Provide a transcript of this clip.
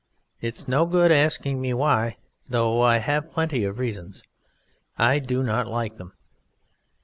It is no good asking me why, though I have plenty of reasons. I do not like Them.